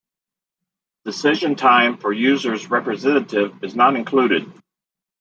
Decision time for users representative is not included.